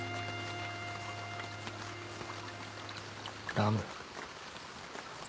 ラム。